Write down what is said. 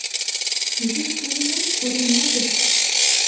Изиш кайымек, коремла гыч